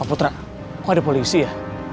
putra kok ada polisi ya